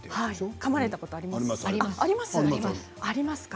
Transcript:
かまれたことありますか？